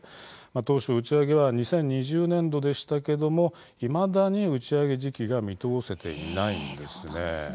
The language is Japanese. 当初、打ち上げは２０２０年度でしたけどもいまだに打ち上げ時期が見通せていないんです。